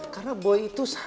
kau dengan belakang ini ya